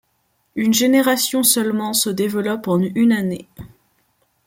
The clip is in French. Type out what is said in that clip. Une génération seulement se développe en une année.